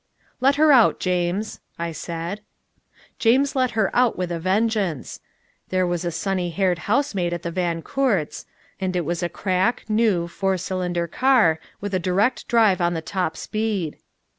"Let her out, James," I said. James let her out with a vengeance. There was a sunny haired housemaid at the Van Coorts' ... and it was a crack, new, four cylinder car with a direct drive on the top speed.